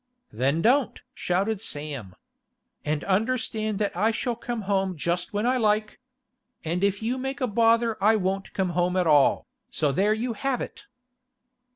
'Then don't!' shouted Sam. 'And understand that I shall come home just when I like. If you make a bother I won't come home at all, so there you have it!